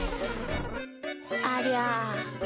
ありゃ。